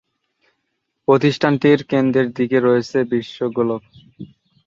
প্রতিষ্ঠানটির কেন্দ্রের দিকে রয়েছে বিশ্ব গোলক।